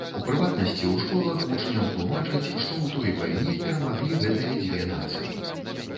У прыватнасці, у школах вучням тлумачаць, што ў той вайне перамаглі гэтыя дзве нацыі.